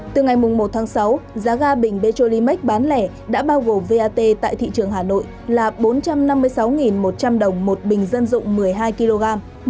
từ ngày một tháng sáu giá ga bình petrolimax bán lẻ đã bao gồm vat tại thị trường hà nội là bốn trăm năm mươi sáu một trăm linh đồng một bình dân dụng một mươi hai kg